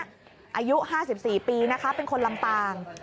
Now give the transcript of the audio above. อายุ๕๔ปีนะคะเป็นคนลำปาง